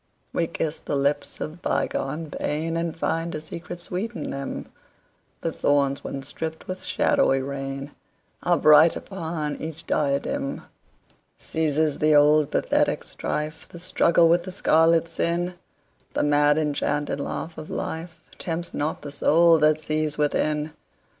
We kiss the lips of bygone painAnd find a secret sweet in them:The thorns once dripped with shadowy rainAre bright upon each diadem. Ceases the old pathetic strife, The struggle with the scarlet sin:The mad enchanted laugh of lifeTempts not the soul that sees within.